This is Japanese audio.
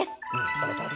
そのとおり。